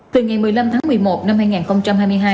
từ ngày một mươi năm tháng một mươi một năm hai nghìn hai mươi hai